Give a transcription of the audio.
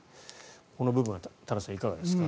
この部分は多田さんいかがですか？